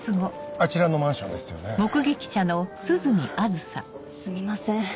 あぁすみません。